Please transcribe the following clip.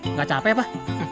nggak capek apa